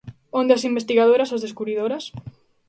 ¿Onde as investigadoras, as descubridoras?